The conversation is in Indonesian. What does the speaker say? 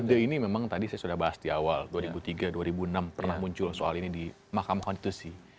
ide ini memang tadi saya sudah bahas di awal dua ribu tiga dua ribu enam pernah muncul soal ini di mahkamah konstitusi